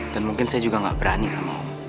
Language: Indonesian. dan mungkin saya juga gak berani sama om